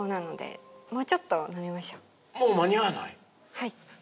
はい。